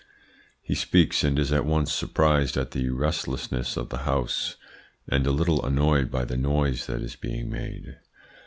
"He speaks, and is at once surprised at the restlessness of the House, and a little annoyed by the noise that is being made.